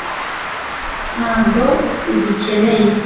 ntabwo udukeneye